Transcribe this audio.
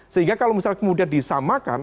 sehingga kalau misalnya kemudian disamakan